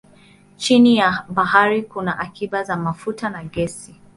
Chini ya bahari kuna akiba za mafuta na gesi.